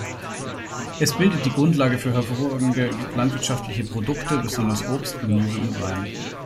Es bildet die Grundlage für hervorragende landwirtschaftliche Produkte, besonders Obst, Gemüse und Wein.